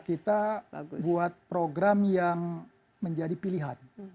kita buat program yang menjadi pilihan